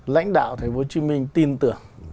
lãnh đạo tp hcm tin tưởng